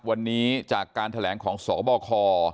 วันนี้จากการแถลงของสบค